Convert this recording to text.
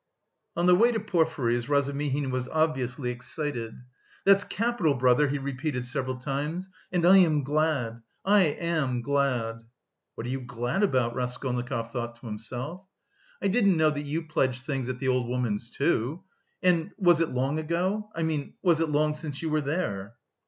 On the way to Porfiry's, Razumihin was obviously excited. "That's capital, brother," he repeated several times, "and I am glad! I am glad!" "What are you glad about?" Raskolnikov thought to himself. "I didn't know that you pledged things at the old woman's, too. And... was it long ago? I mean, was it long since you were there?"